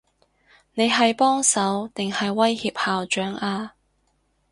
你係幫手，定係威脅校長啊？